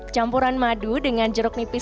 campuran madu dengan jeruk nipis